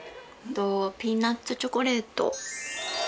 ピーナツチョコレート。